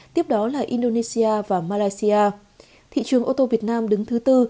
tiếp đó là indonesia và malaysia thị trường ô tô việt nam đứng thứ tư